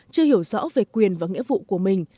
chưa hiểu rõ về quyền và nghĩa vụ của mình